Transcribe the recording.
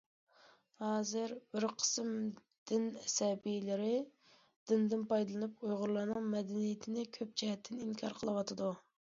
ھازىر بىر قىسىم دىن ئەسەبىيلىرى دىندىن پايدىلىنىپ، ئۇيغۇرلارنىڭ مەدەنىيىتىنى كۆپ جەھەتتىن ئىنكار قىلىۋاتىدۇ.